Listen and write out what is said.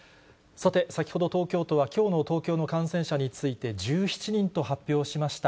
さて、先ほど東京都は、きょうの東京の感染者について、１７人と発表しました。